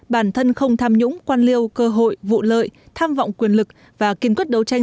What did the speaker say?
bản thân không tham nhũng quan liêu cơ hội vụ lợi tham vọng quyền lực và kiên quyết đấu tranh